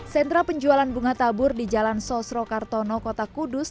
sentra penjualan bunga tabur di jalan sosro kartono kota kudus